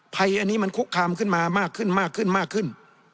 ภัยอันนี้มันคุกคามขึ้นมามากขึ้นมากขึ้นมากขึ้น